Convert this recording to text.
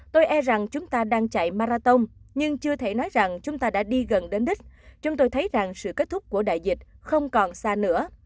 tôi e rằng chúng ta đang chạy marathon nhưng chưa thể nói rằng chúng ta đã đi gần đến đích chúng tôi thấy rằng sự kết thúc của đại dịch không còn xa nữa